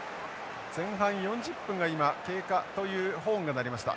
前半４０分が今経過というホーンが鳴りました。